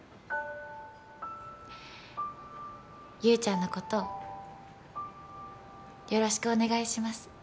優ちゃんのことよろしくお願いします。